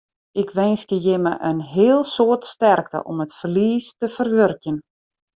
Ik winskje jimme in heel soad sterkte om it ferlies te ferwurkjen.